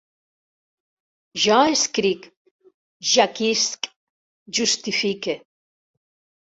Jo escric, jaquisc, justifique